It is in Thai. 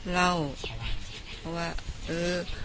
เพราะว่าเฮ้